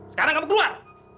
sekarang kamu keluar